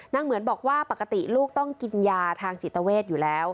เหมือนบอกว่าปกติลูกต้องกินยาทางจิตเวทอยู่แล้ว